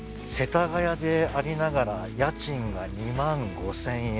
世田谷でありながら家賃が２万５，０００円。